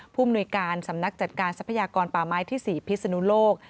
มนุยการสำนักจัดการทรัพยากรป่าไม้ที่๔พิศนุโลก